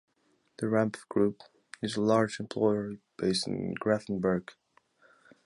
The Rampf Group is a large employer based in Grafenberg.